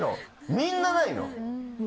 みんなないの？